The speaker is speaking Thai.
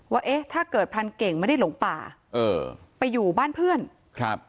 ว่าเอ๊ะถ้าเกิดพรานเก่งไม่ได้หลงป่าเออไปอยู่บ้านเพื่อนครับ